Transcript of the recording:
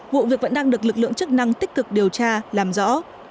vụ việc vẫn đang được lực lượng chức năng tích cực điều tra làm rõ